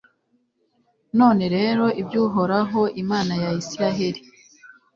none rero, ibyo uhoraho, imana ya israheli